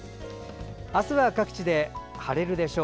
明日は各地で晴れるでしょう。